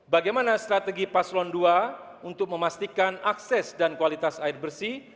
bagaimana strategi paslon dua untuk memastikan akses dan kualitas air bersih